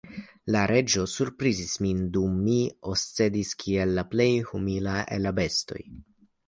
La Reĝo surprizis min, dum mi oscedis kiel la plej humila el la bestoj.